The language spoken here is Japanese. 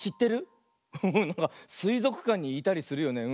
すいぞくかんにいたりするよね。